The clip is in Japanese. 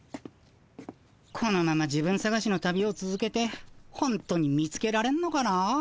このまま自分さがしの旅をつづけてほんとに見つけられんのかなぁ。